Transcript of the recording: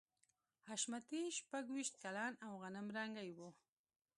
حشمتي شپږویشت کلن او غنم رنګی و